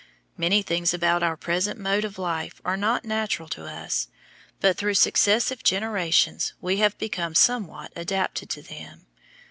Many things about our present mode of life are not natural to us, but through successive generations we have become somewhat adapted to them.